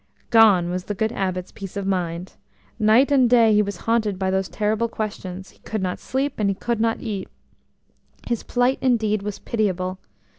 Gone was the good Abbot's peace of mind. Night and day he was haunted by those terrible questions; he could not sleep, and he could not eat. His plight indeed was pitiable.